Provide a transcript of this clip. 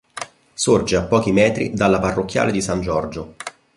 Sorge a pochi metri dalla parrocchiale di San Giorgio.